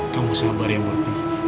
kamu sabar ya murti